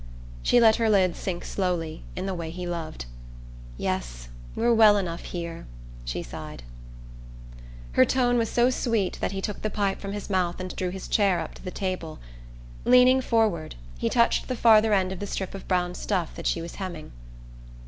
She let her lids sink slowly, in the way he loved. "Yes, we're well enough here," she sighed. Her tone was so sweet that he took the pipe from his mouth and drew his chair up to the table. Leaning forward, he touched the farther end of the strip of brown stuff that she was hemming.